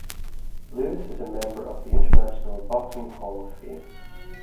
Lewis is a member of the International Boxing Hall of Fame.